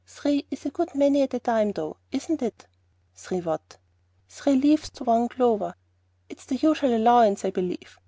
"Three is a good many at a time, though, isn't it?" "Three what?" "Three hem! leaves to one Clover!" "It's the usual allowance, I believe.